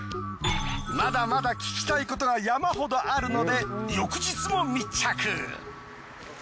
まだまだ聞きたいことが山ほどあるので。